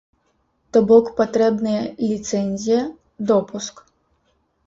То бок патрэбныя ліцэнзія, допуск.